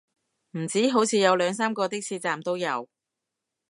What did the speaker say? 唔止，好似有兩三個的士站都有